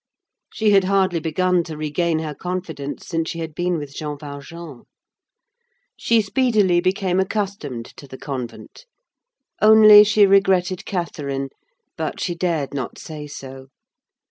She had hardly begun to regain her confidence since she had been with Jean Valjean. She speedily became accustomed to the convent. Only she regretted Catherine, but she dared not say so.